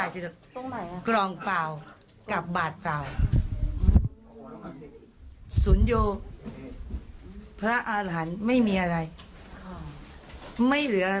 แม่ของแม่ชีอู๋ได้รู้ว่าแม่ของแม่ชีอู๋ได้รู้ว่า